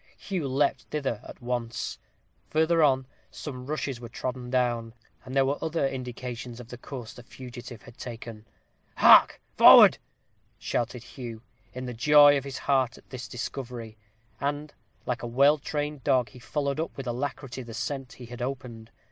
Hugh leaped thither at once. Further on, some rushes were trodden down, and there were other indications of the course the fugitive had taken. "Hark forward!" shouted Hugh, in the joy of his heart at this discovery; and, like a well trained dog, he followed up with alacrity the scent he had opened.